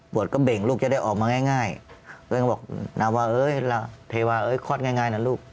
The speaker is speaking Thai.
ปวดก็เบ่งลูกจะได้ออกมาง่ายก็ยังบอกนาวะเอ๋ยเทวะเอ๋ยคลอดง่ายนะลูก